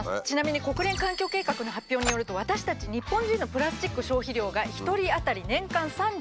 ちなみに国連環境計画の発表によると私たち日本人のプラスチック消費量が１人あたり年間３２ｋｇと。